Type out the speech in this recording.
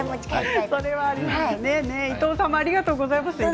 いとうさんもありがとうございました。